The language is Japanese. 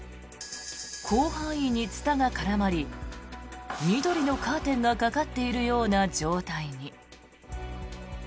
広範囲にツタが絡まり緑のカーテンがかかっているような状態に。